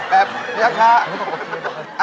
แบบราคา